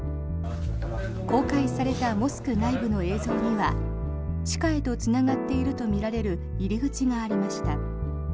公開されたモスク内部の映像には地下へとつながっているとみられる入り口がありました。